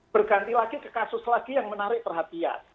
berganti lagi ke kasus lagi yang menarik perhatian